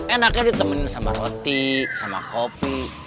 enaknya ditemenin sama roti sama kopi